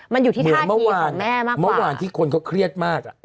มันอยู่ที่ท่าทีของแม่มากกว่าเหมือนเมื่อวานที่คนเขาเครียดมากอ่ะ